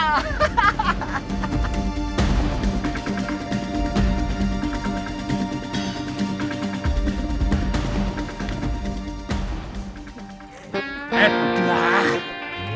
camel itu k fil ming